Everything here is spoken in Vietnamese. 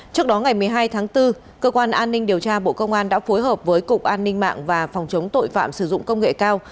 trước đó ngày một mươi hai tháng bốn cơ quan an ninh điều tra bộ công an đã phối hợp với cục an ninh mạng và phòng chống tội phạm sử dụng công nghệ cao